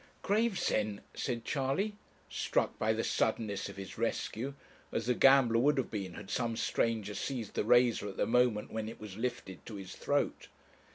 'Gravesend!' said Charley, struck by the suddenness of his rescue, as the gambler would have been had some stranger seized the razor at the moment when it was lifted to his throat.